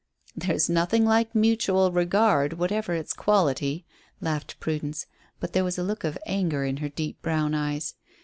"There's nothing like mutual regard, whatever its quality," laughed Prudence; but there was a look of anger in her deep brown eyes.